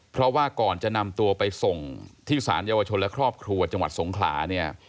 เพราะว่าก่อนจะนำตัวไปส่งที่สารเยาวชนและครอบครัวจังหวัดสงขลาเนี่ย